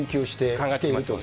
考えてきています。